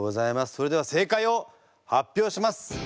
それでは正解を発表します。